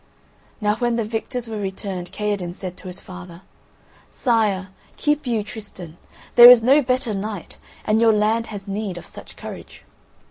Now when the victors were returned Kaherdin said to his father: "Sire, keep you Tristan. There is no better knight, and your land has need of such courage."